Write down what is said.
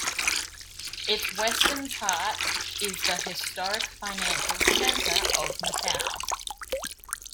Its western part is the historic financial centre of Macau.